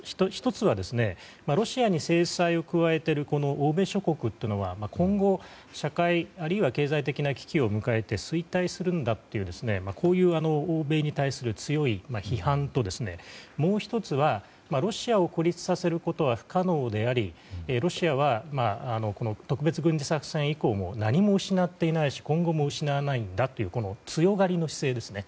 １つはロシアに制裁を加えている欧米諸国というのは今後、社会あるいは経済的な危機を迎えて衰退するんだという欧米に対する強い批判ともう１つはロシアを孤立させることは不可能でありロシアはこの特別軍事作戦以降も何も失っていないし今後も失わないんだという強がりの姿勢ですね。